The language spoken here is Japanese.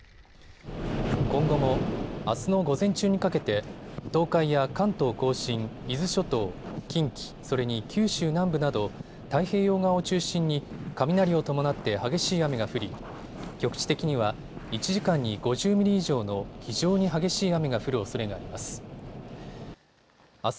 今後もあすの午前中にかけて東海や関東甲信、伊豆諸島、近畿、それに九州南部など太平洋側を中心に雷を伴って激しい雨が降り局地的には１時間に５０ミリ以上の非常に激しい雨が降るおそれがあります。